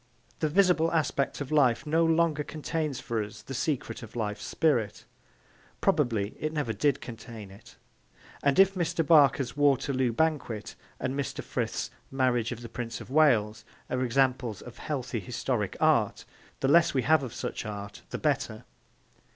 The visible aspect of life no longer contains for us the secret of life's spirit. Probably it never did contain it. And, if Mr. Barker's Waterloo Banquet and Mr. Frith's Marriage of the Prince of Wales are examples of healthy historic art, the less we have of such art the better.